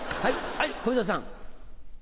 はい小遊三さん。